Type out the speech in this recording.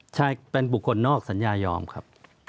ใช่เป็นบุคคลนอกสัญญายอมครับ